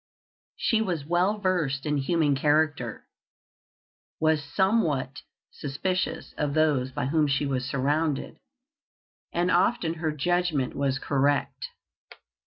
She was well versed in human character, was somewhat suspicious of those by whom she was surrounded, and often her judgment was correct.